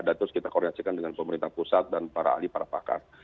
dan terus kita koreasikan dengan pemerintah pusat dan para ahli para pakar